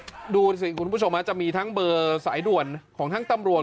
ดูสิคุณผู้ชมจะมีทั้งเบอร์สายด่วนของทั้งตำรวจ